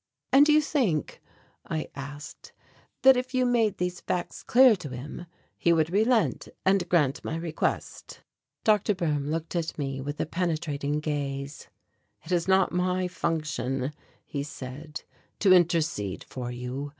"And do you think," I asked, "that if you made these facts clear to him, he would relent and grant my request?" Dr. Boehm looked at me with a penetrating gaze. "It is not my function," he said, "to intercede for you.